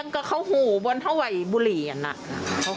จะเอาแต่เงินอย่างเดียวเสียคำปรับ